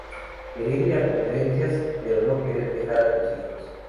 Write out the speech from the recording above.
Querer ir a conferencias, pero no querer dejar a tus hijos.